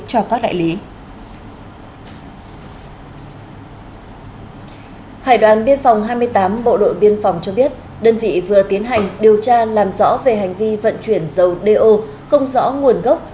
hải đoàn biên phòng hai mươi tám bộ đội biên phòng cho biết đơn vị vừa tiến hành điều tra làm rõ về hành vi vận chuyển dầu do không rõ nguồn gốc